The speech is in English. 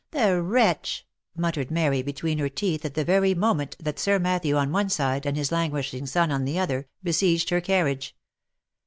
"The wretch!" muttered Mary between her teeth at the very moment that Sir Matthew on one side, and his languishing son on the other, besieged her carriage.